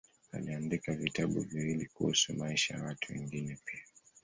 Aliandika vitabu viwili kuhusu maisha ya watu wengine pia.